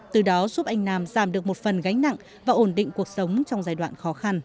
từ đó giúp anh nam giảm được một phần gánh nặng và ổn định cuộc sống trong giai đoạn khó khăn